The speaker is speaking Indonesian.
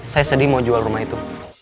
saya sedih mau jual rumah itu